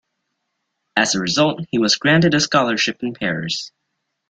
As a result, he was granted a scholarship in Paris.